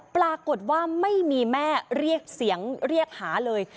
ปรากฏว่าไม่มีแม่เรียกเสียงเรียกหาเลย